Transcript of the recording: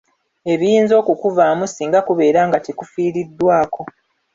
Ebiyinza okukuvaamu singa kubeera nga tekufiiriddwako.